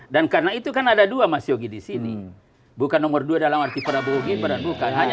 dan karena itu kan ada dua masih di sini bukan nomor dua dalam arti prabowo gibran bukan hanya